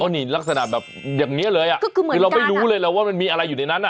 นี่ลักษณะแบบอย่างนี้เลยคือเราไม่รู้เลยแหละว่ามันมีอะไรอยู่ในนั้น